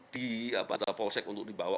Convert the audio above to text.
di polsek untuk dibawa